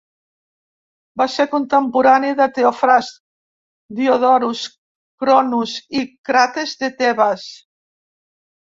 Va ser contemporani de Teofrast, Diodorus Cronus i Crates de Tebes.